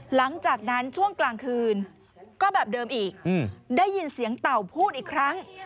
หลังจากนั้นช่วงกลางคืนก็แบบเดิมอีกได้ยินเสียงเต่าพูดอีกครั้ง